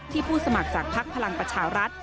ผู้สมัครจากภักดิ์พลังประชารัฐ